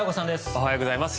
おはようございます。